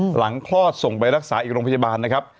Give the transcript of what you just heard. คลอดส่งไปรักษาอีกโรงพยาบาลนะครับ